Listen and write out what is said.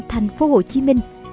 thành phố hồ chí minh